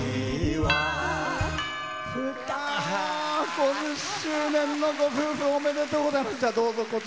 ５０周年のご夫婦おめでとうございます。